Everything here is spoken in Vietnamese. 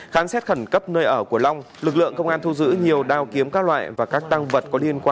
khán xét khẩn cấp nơi ở của long lực lượng công an thu giữ nhiều đao kiếm các loại